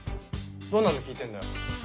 どんなの聞いてんだよ。